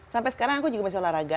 sampai sekarang aku juga masih olahraga